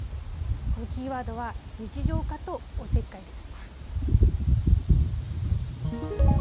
このキーワードは日常化とおせっかいです。